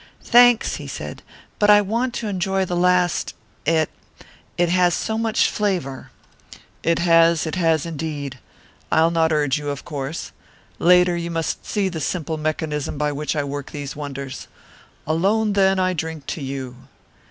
"Thanks," he said, "but I want to enjoy the last it it has so much flavour." "It has; it has, indeed. I'll not urge you, of course. Later you must see the simple mechanism by which I work these wonders. Alone, then, I drink to you."